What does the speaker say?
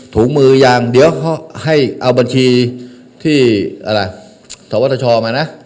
ถุงมือยางเดี๋ยวเขาให้เอาบัญชีที่อะไรสวทชมานะ